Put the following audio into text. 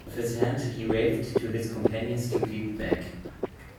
With his hand he waved to his companions to keep back.